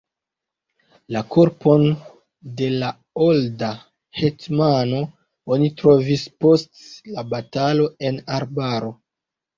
La korpon de la olda hetmano oni trovis post la batalo en arbaro.